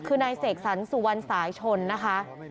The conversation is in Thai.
คือนายเสกสรรสุวรรณสายชนนะคะ